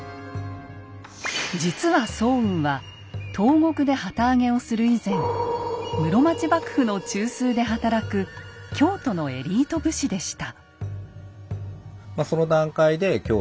実は早雲は東国で旗揚げをする以前室町幕府の中枢で働く京都のエリート武士でした。